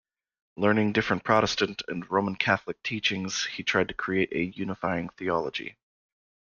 Learning different Protestant and Roman Catholic teachings, he tried to create a "unifying theology".